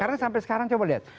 karena sampai sekarang coba lihat